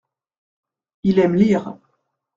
Il aime lire.